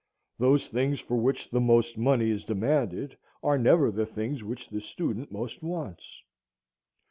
Those things for which the most money is demanded are never the things which the student most wants.